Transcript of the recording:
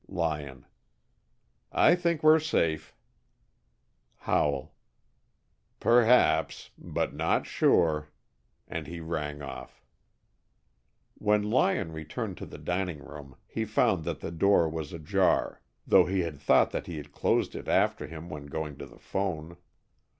Lyon: "I think we're safe." Howell: "Perhaps. But not sure." And he rang off. When Lyon returned to the dining room, he found that the door was ajar, though he had thought that he closed it after him when going to the 'phone.